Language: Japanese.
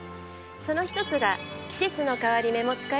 その１つが。